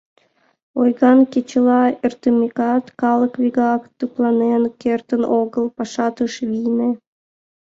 Ойган кечыла эртымекат, калык вигак тыпланен кертын огыл, пашат ыш вийне.